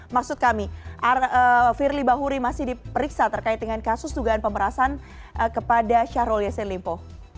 maksud kami firly bahuri masih diperiksa terkait dengan kasus dugaan pemerasan kepada syahrul yassin limpo